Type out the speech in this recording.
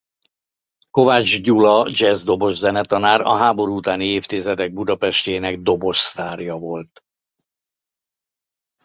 Kovács Gyula jazz dobos zenetanár a háború utáni évtizedek Budapestjének dobos sztárja volt.